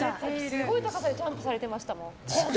すごい高さでジャンプされてましたもん。